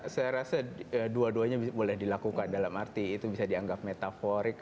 saya rasa dua duanya boleh dilakukan dalam arti itu bisa dianggap metaforik